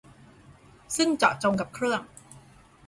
ซึ่งเจาะจงกับเครื่อง